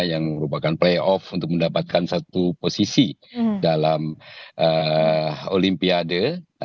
yang merupakan playoff untuk mendapatkan satu posisi dalam olimpiade